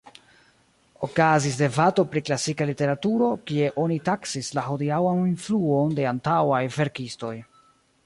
Okazis debato pri klasika literaturo, kie oni taksis la hodiaŭan influon de antaŭaj verkistoj.